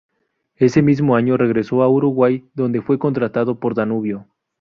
Ese mismo año regresó a Uruguay, donde fue contratado por Danubio.